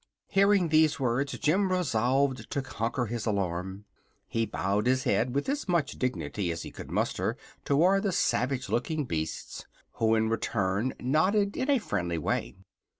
Hearing these words Jim resolved to conquer his alarm. He bowed his head with as much dignity as he could muster toward the savage looking beasts, who in return nodded in a friendly way.